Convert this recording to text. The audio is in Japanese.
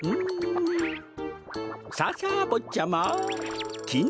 さあさあぼっちゃまきん